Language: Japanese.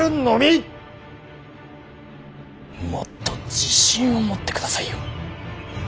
もっと自信を持ってくださいよ。